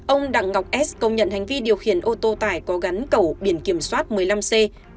ông đặng ngọc s công nhận hành vi điều khiển ô tô tải có gắn cầu biển kiểm soát một mươi năm c ba mươi nghìn tám trăm hai mươi hai